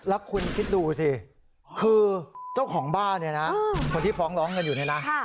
แล้วคุณคิดดูสิคือเจ้าของบ้านเนี่ยนะคนที่ฟ้องร้องกันอยู่นี่นะ